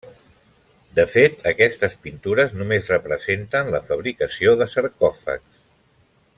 De fet, aquestes pintures només representen la fabricació de sarcòfags.